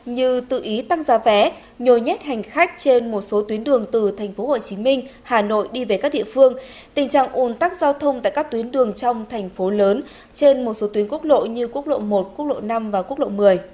như tự ý tăng giá vé nhồi nhét hành khách trên một số tuyến đường từ tp hcm hà nội đi về các địa phương tình trạng ồn tắc giao thông tại các tuyến đường trong thành phố lớn trên một số tuyến quốc lộ như quốc lộ một quốc lộ năm và quốc lộ một mươi